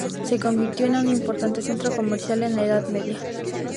Se convirtió en un importante centro comercial en la Edad Media.